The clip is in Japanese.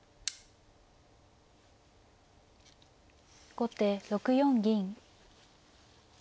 後手６四銀。